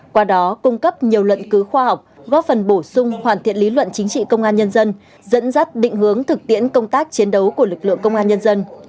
qua đó cung cấp nhiều luận cứu khoa học góp phần bổ sung hoàn thiện lý luận chính trị công an nhân dân dẫn dắt định hướng thực tiễn công tác chiến đấu của lực lượng công an nhân dân